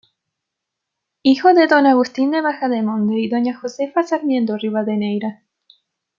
Hijo de don Agustín de Bahamonde y doña Josefa Sarmiento Rivadeneira.